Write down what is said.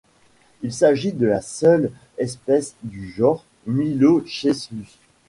Il s'agit de la seule espèce du genre Mylocheilus.